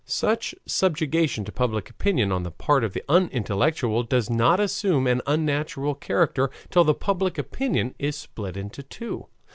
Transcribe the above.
Such subjection to public opinion on the part of the unintellectual does not assume an unnatural character till the public opinion is split into two.